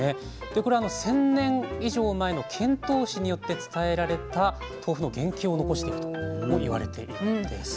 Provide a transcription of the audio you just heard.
でこれ１，０００年以上前の遣唐使によって伝えられた豆腐の原型を残してるとも言われているんです。